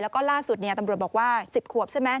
แล้วก็ล่าสุดตำรวจบอกว่า๑๐ขวบใช่ไหม